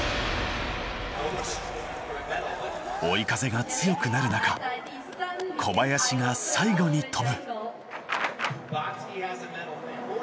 追い風が強くなる中小林が最後に飛ぶ。